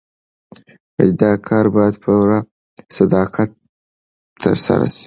دا کار باید په پوره صداقت ترسره سي.